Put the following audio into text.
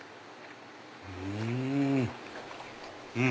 うん！